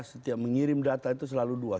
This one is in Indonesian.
setiap mengirim data itu selalu dua